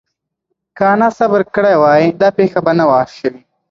که انا صبر کړی وای، دا پېښه به نه وه شوې.